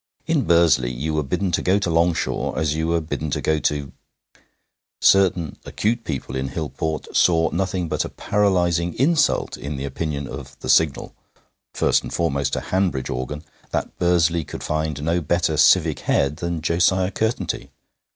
In Bursley you were bidden to go to Longshaw as you were bidden to go to ... Certain acute people in Hillport saw nothing but a paralyzing insult in the opinion of the Signal (first and foremost a Hanbridge organ), that Bursley could find no better civic head than Josiah Curtenty.